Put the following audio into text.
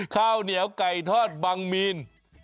ข้าวเหนียวไก่ทอดบังมีน